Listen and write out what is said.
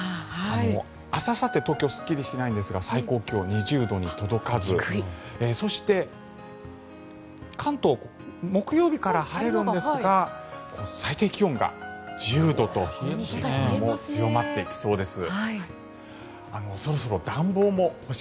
明日あさって東京、すっきりしないんですが最高気温、２０度に届かずそして関東木曜日から晴れるんですが最低気温が１０度と冷え込みも強まってきそうです。